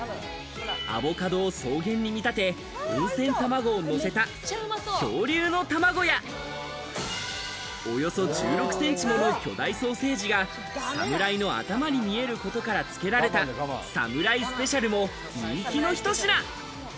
アボカドを草原に見立て、温泉卵をのせた恐竜の卵や、およそ１６センチもの巨大ソーセージが侍の頭に見えることから付けられたサムライスペシャルも人気のひと品。